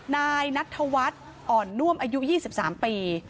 นายนัทธวัฒน์อ่อนน่วมอายุ๒๓ปี